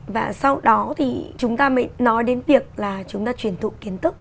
và sau đó thì chúng ta mới nói đến việc là chúng ta truyền thụ kiến thức